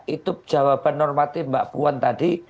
itu jawaban normatif mbak puan tadi